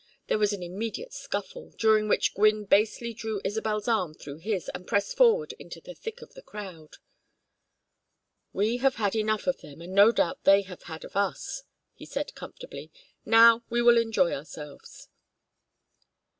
There was an immediate scuffle, during which Gwynne basely drew Isabel's arm through his and pressed forward into the thick of the crowd. "We have had enough of them, and no doubt they have had of us," he said, comfortably. "Now we will enjoy ourselves."